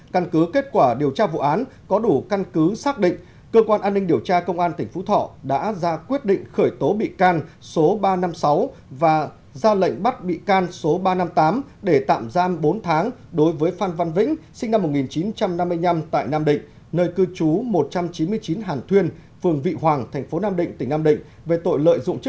căn cứ kết quả điều tra vụ án có đủ căn cứ xác định cơ quan an ninh điều tra công an tỉnh phú thỏ đã ra quyết định khởi tố bị can số ba trăm năm mươi sáu và ra lệnh bắt bị can số ba trăm năm mươi tám để tạm giam bốn tháng đối với phan văn vĩnh sinh năm một nghìn chín trăm năm mươi năm tại nam định